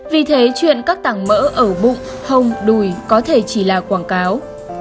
vì thế chuyện các tảng mỡ ở bụng hồng đùi có thể chỉ là quảng cáo